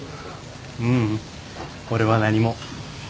ううん俺は何も。